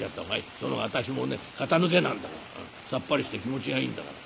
その方が私もね肩抜けなんだからさっぱりして気持ちがいいんだから。